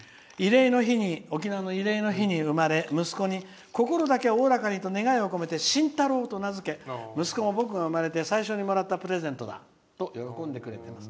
沖縄の慰霊の日に生まれ息子に、心だけはおおらかにと願いを込めしんたろうと名付け息子が生まれて僕が生まれて最初にもらったプレゼントだと喜んでくれています。